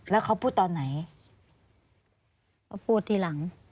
แล้วเขาพูดตอนไหนเขาพูดทีหลัง